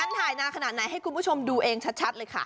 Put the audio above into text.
ถ่ายนานขนาดไหนให้คุณผู้ชมดูเองชัดเลยค่ะ